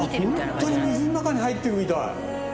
ホントに水の中に入ってるみたい。